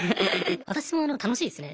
私も楽しいですね。